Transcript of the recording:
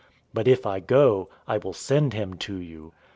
But if I go, I will send him to you.